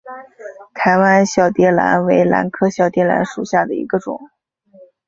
台湾小蝶兰为兰科小蝶兰属下的一个种。